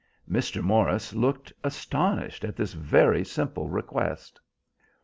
Mr. Morris looked astonished at this very simple request.